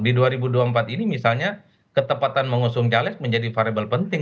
di dua ribu dua puluh empat ini misalnya ketepatan mengusung caleg menjadi variable penting